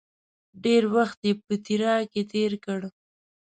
ډېر وخت یې په تیراه کې تېر کړ.